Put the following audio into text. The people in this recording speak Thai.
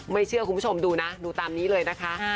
เชื่อคุณผู้ชมดูนะดูตามนี้เลยนะคะ